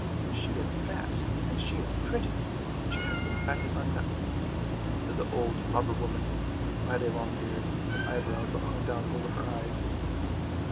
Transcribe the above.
" She is fat, and she is pretty, she has been fattened on nuts !" said the old robber woman, who had a long beard, and eyebrows that hung down over her eyes.